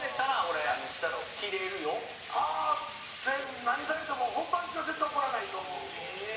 何されても本番中は絶対怒らないと思う。